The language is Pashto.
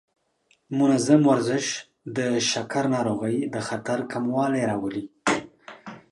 منظم ورزش د شکر ناروغۍ د خطر کموالی راولي.